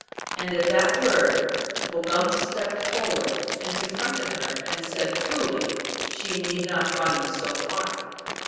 " Arid at that word Po gumk stepped forward and confronted her, and said, " Truly, she need not run so far."